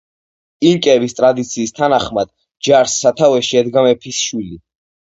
ინკების ტრადიციის თანახმად, ჯარს სათავეში ედგა მეფის შვილი.